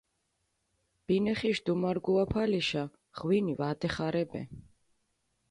ბინეხიში დუმარგუაფალიშა ღვინი ვადეხარებე.